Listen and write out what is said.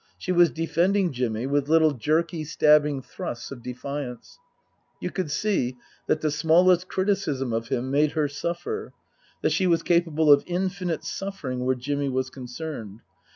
She was defending Jimmy with little jerky, stabbing thrusts of defiance. You could see that the smallest criticism of him made her suffer ; that she was capable of infinite suffering where Jimmy was concerned.